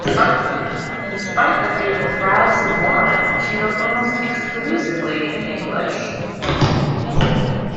In spite of being a proud Cebuana, she wrote almost exclusively in English.